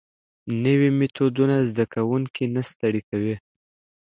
نوي میتودونه زده کوونکي نه ستړي کوي.